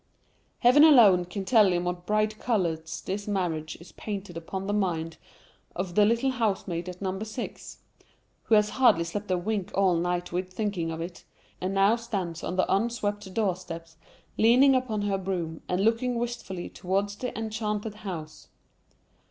Heaven alone can tell in what bright colours this marriage is painted upon the mind of the little housemaid at number six, who has hardly slept a wink all night with thinking of it, and now stands on the unswept door steps leaning upon her broom, and looking wistfully towards the enchanted house.